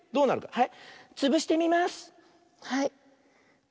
はい。